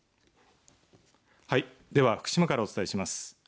はい、では福島からお伝えします。